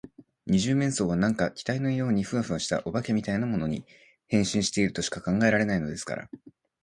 二十面相は何か気体のようにフワフワした、お化けみたいなものに、変身しているとしか考えられないのですから。